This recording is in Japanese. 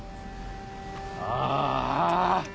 ああ。